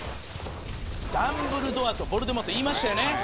ダンブルドアとヴォルデモート言いましたよね。